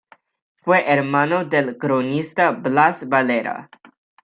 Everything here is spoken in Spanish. Fue hermano del cronista Blas Valera.